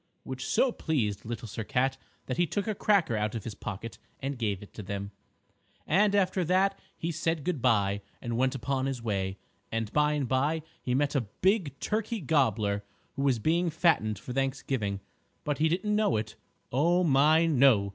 _" which so pleased Little Sir Cat that he took a cracker out of his pocket and gave it to them. And after that he said good by and went upon his way, and by and by he met a big Turkey Gobbler who was being fattened for Thanksgiving. But he didn't know it. Oh, my no!